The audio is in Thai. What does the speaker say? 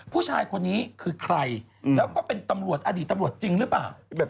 ผู้ชายคนนี้คือใครแล้วก็เป็นตำรวจอดีตตำรวจจริงหรือเปล่า